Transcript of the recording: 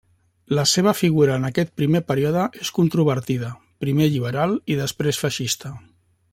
La seva figura en aquest primer període és controvertida, primer liberal i després feixista.